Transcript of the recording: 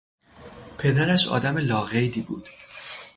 پدرش آدم لاقیدی بود.